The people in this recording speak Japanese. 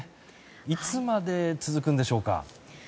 いつまで続くんでしょうか。